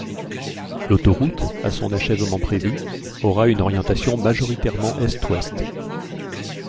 L'autoroute, à son achèvement prévu, aura une orientation majoritairement Est-Ouest.